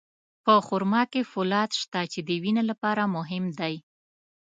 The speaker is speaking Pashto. په خرما کې فولاد شته، چې د وینې لپاره مهم دی.